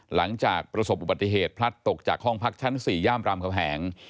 หลังจากประสบอุบัติเหตุพลัดตกจากห้องพักชั้น๔ย่ามรามคำแหง